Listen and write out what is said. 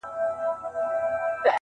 چي مازیګر په ښایسته کیږي-